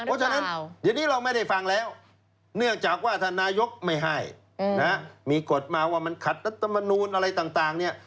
เพราะฉะนั้นเดี๋ยวนี้เราไม่ได้ฟังแล้วเนื่องจากว่าท่านนายกไม่ให้มีกฎมาว่ามันขัดรัฐมนูลอะไรต่างเนี่ย